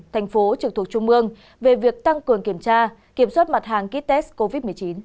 thành phố trực thuộc trung mương về việc tăng cường kiểm tra kiểm soát mặt hàng kit test covid một mươi chín